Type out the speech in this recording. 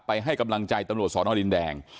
ให้กำลังใจตำรวจสอนอดินแดง